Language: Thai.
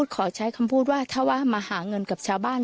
ขอใช้คำพูดว่าถ้าว่ามาหาเงินกับชาวบ้าน